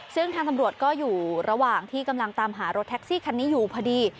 ซึ่งทางตำรวจก็อยู่ระหว่างที่กำลังตามหารถแท็กซี่คันนี้อยู่พอดี